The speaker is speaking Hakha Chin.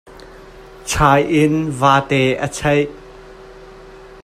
Chai in vate a chaih.